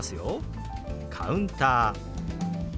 「カウンター」。